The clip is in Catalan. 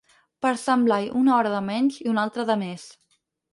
Per Sant Blai una hora de menys i una altra de mes.